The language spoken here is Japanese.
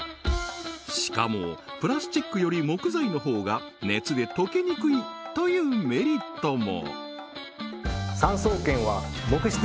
しかもプラスチックより木材のほうが熱で溶けにくいというメリットも！